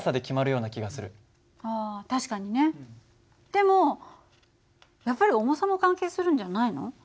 でもやっぱり重さも関係するんじゃないの？